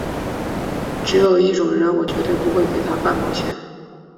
只有一种人我绝对不会给他半毛钱